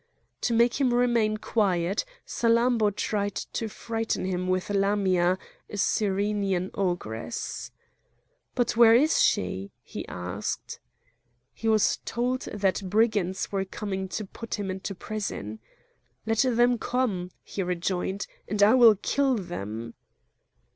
To make him remain quiet Salammbô tried to frighten him with Lamia, a Cyrenian ogress. "But where is she?" he asked. He was told that brigands were coming to put him into prison. "Let them come," he rejoined, "and I will kill them!"